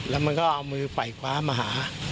แล้วมันก็เอามือไฟขวามาหา